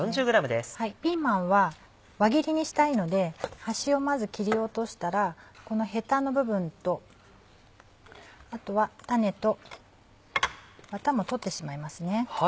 ピーマンは輪切りにしたいので端をまず切り落としたらこのヘタの部分とあとは種とワタも取ってしまいますね。